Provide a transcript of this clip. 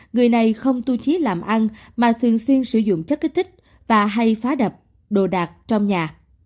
người này không tu trí làm ăn mà thường xuyên sử dụng chất kích thích và hay phá đập đồ đạc trong nhà